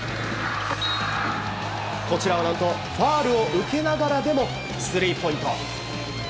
こちらは何とファウルを受けながらでもスリーポイント。